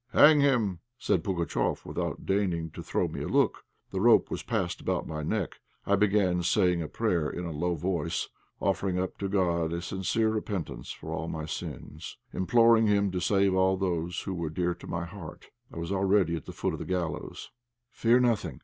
"Hang him!" said Pugatchéf, without deigning to throw me a look. The rope was passed about my neck. I began saying a prayer in a low voice, offering up to God a sincere repentance for all my sins, imploring Him to save all those who were dear to my heart. I was already at the foot of the gallows. "Fear nothing!